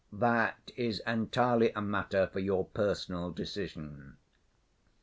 That is entirely a matter for your personal decision.